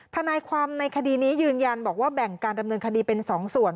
ทนายความในคดีนี้ยืนยันบอกว่าแบ่งการดำเนินคดีเป็น๒ส่วน